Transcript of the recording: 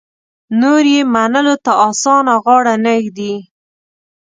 نور یې منلو ته اسانه غاړه نه ږدي.